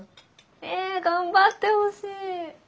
え頑張ってほしい。